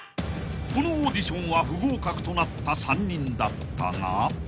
［このオーディションは不合格となった３人だったが］